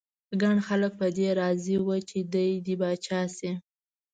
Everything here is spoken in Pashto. ګڼ خلک په دې راضي ول چې دی دې پاچا شي.